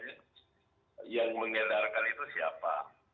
itu kan rumusan yang mengendalikan itu siapa